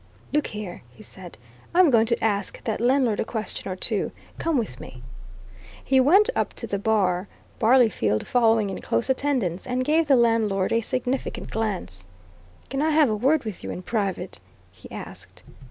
"Look here!" he said. "I'm going to ask that landlord a question or two. Come with me." He went up to the bar, Barleyfield following in close attendance, and gave the landlord a significant glance. "Can I have a word with you, in private?" he asked.